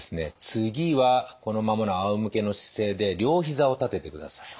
次はこのままのあおむけの姿勢で両膝を立ててください。